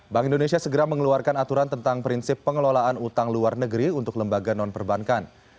bank indonesia segera mengeluarkan aturan tentang prinsip pengelolaan utang luar negeri untuk lembaga non perbankan